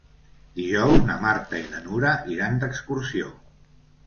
Dijous na Marta i na Nura iran d'excursió.